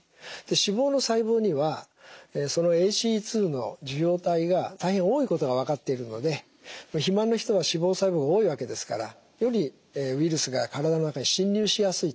脂肪の細胞にはＡＣＥ２の受容体が大変多いことが分かっているので肥満の人は脂肪細胞が多いわけですからよりウイルスが体の中に侵入しやすいということが分かっていますね。